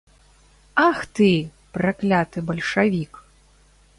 Ах ты, пракляты бальшавік!